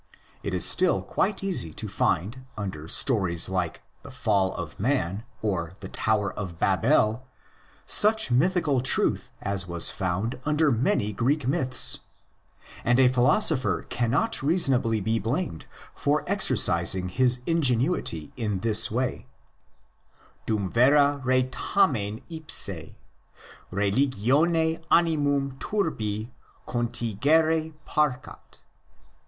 It is still quite easy to find under stories like the Fall of Man or the Tower of Babel such mythical truth as was found under many Greek myths; and a philosopher cannot reasonably be blamed for exercising his ingenuity in this way— ''dum vera re tamen ipse Religione animum turpi contingere parcat."